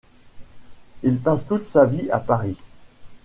Il passe toute sa vie à Paris.